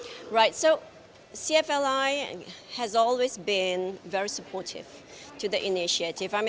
jadi cfli selalu sangat mendukung inisiatif ini